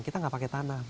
kita gak pakai tanah bu